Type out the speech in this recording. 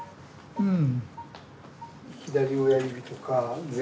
うん。